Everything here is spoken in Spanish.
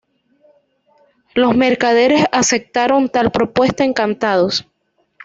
Los mercaderes aceptaron tal propuesta encantados.